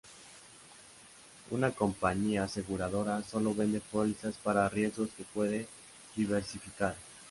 Una compañía aseguradora solo vende pólizas para riesgos que puede diversificar.